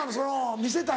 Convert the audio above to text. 見せたい？